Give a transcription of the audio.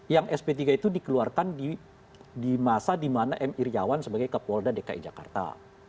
yang sp tiga itu dikeluarkan di masa di mana m iryawan sebagai kapolda dki jakarta